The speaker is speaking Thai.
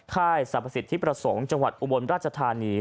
ค่ายสรรพสิทธิประสงค์จังหวัดอุบลราชธานี